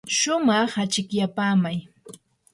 shumaq achikyapaamay.